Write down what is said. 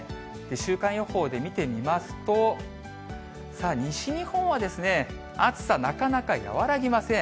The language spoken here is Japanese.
週間予報で見てみますと、西日本は暑さなかなか和らぎません。